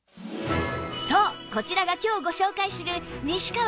そうこちらが今日ご紹介する西川